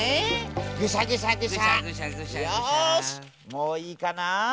もういいかな？